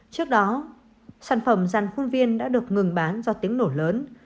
trước đó sản phẩm giàn phun viên đã được ngừng bán do tiếng nổ lớn